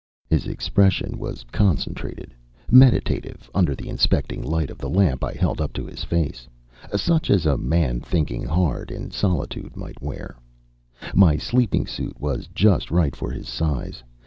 His expression was concentrated, meditative, under the inspecting light of the lamp I held up to his face; such as a man thinking hard in solitude might wear. My sleeping suit was just right for his size.